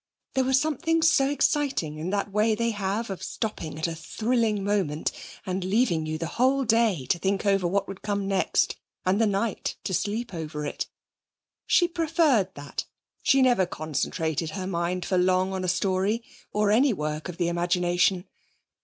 There was something so exciting in that way they have of stopping at a thrilling moment and leaving you the whole day to think over what would come next, and the night to sleep over it. She preferred that; she never concentrated her mind for long on a story, or any work of the imagination.